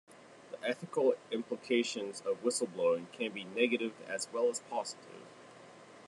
The ethical implications of whistleblowing can be negative as well as positive.